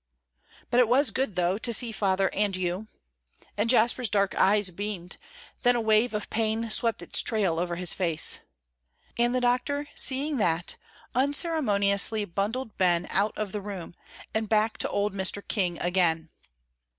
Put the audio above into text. "But it was good, though, to see Father and you." And Jasper's dark eyes beamed; then a wave of pain swept its trail over his face. And the doctor, seeing that, unceremoniously bundled Ben out of the room, and back to old Mr. King again.